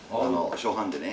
初版でね。